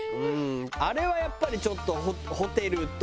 あれはやっぱりちょっとホテルとは違うよね。